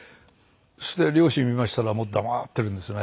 そして両親見ましたらもう黙ってるんですね。